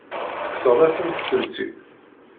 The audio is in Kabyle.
Tekkseḍ-asent-tent-id.